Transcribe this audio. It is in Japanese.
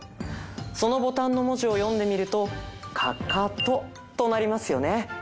そのボタンの文字を読んでみると「かかと」となりますよね